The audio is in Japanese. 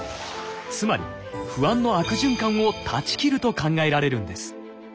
つまり不安の悪循環を断ち切ると考えられるんです。